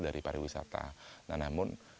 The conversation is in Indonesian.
dari para wisata namun